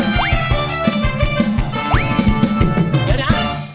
เดี๋ยวนะ